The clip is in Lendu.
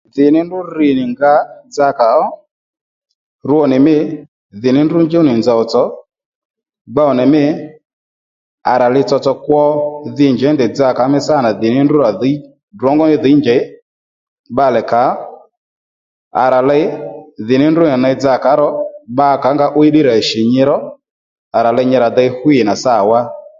Dhì ní ndrǔ 'wiy nì dda dzakà ó rwo nì mî dhì ní ndrǔ njúw nì nzòw tsògbow nì mî à rà li tsoitso kwo dhi njěy ndèy dzakà mí sâ nà dhì ní ndrǔ rà dhǐy ddrǒngó ní dhǐ njèy bbalè kà ó à rà ley dhì ní ndrǔ nì njey dza kà ó ro bbakà ó nga 'wiy ddí rà shì nyiró à rà ley nyi rà dey ɦwí nà sâ wá